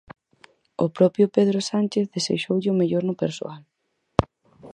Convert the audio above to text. O propio Pedro Sánchez desexoulle o mellor no persoal.